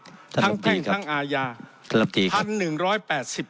ท่านรับทีครับทั้งแพ่งทั้งอาญาท่านรับทีครับ